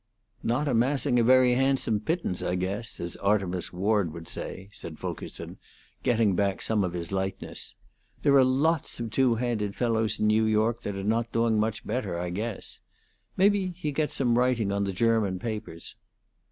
"Not amassing a very 'handsome pittance,' I guess, as Artemus Ward would say," said Fulkerson, getting back some of his lightness. "There are lots of two handed fellows in New York that are not doing much better, I guess. Maybe he gets some writing on the German papers."